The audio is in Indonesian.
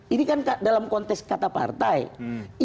ini kan dalam konteks kata partai